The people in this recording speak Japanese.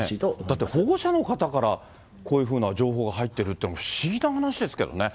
だって、保護者の方からこういうふうな情報が入ってるというのも、不思議な話ですけどね。